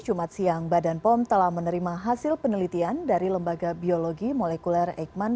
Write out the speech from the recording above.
jumat siang badan pom telah menerima hasil penelitian dari lembaga biologi molekuler eikman